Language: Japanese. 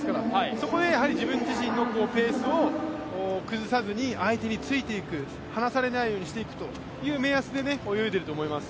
そこで自分自身のペースを崩さずに相手についていく、離されないようにしていくという目安で泳いでいると思います。